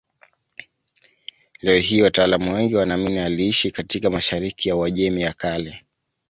Leo hii wataalamu wengi wanaamini aliishi katika mashariki ya Uajemi ya Kale.